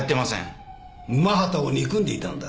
午端を憎んでいたんだろ？